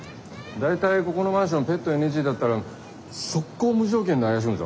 大体ここのマンションペットＮＧだったら速攻無条件で怪しむぞ。